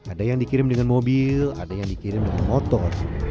ada yang dikirim dengan mobil ada yang dikirim dengan motor